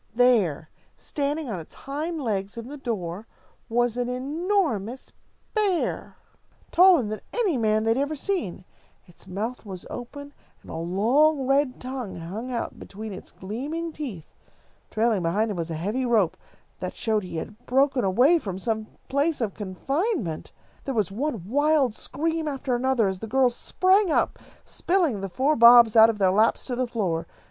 There, standing on its hind legs in the door, was an enormous bear, taller than any man they had ever seen. Its mouth was open, and a long red tongue hung out between its gleaming teeth. Trailing behind him was a heavy rope, that showed that he had broken away from some place of confinement. [Illustration: "THERE WAS ONE WILD SCREAM AFTER ANOTHER."] There was one wild scream after another, as the girls sprang up, spilling the four Bobs out of their laps to the floor.